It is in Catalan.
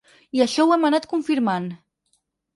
I això ho hem anat confirmant.